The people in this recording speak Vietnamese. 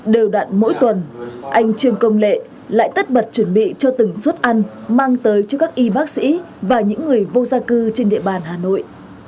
đều đặn mỗi tuần anh trường công lệ lại tất bật chuẩn bị cho từng suất ăn mang tới cho các y bác sĩ và những người vô gia cư trên địa bàn hà nội